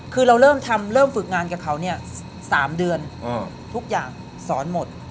คือเราเริ่มทำเริ่มฝึกงานกับเขาเนี่ย๓เดือนทุกอย่างสอนหมด